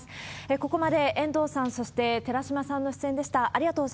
ここまで遠藤さん、そして寺嶋さんの出演でした。